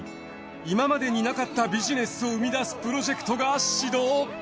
今までになかったビジネスを生み出すプロジェクトが始動。